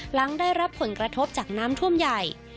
หลังได้รับผลกระทบจากน้ำท่วมใหญ่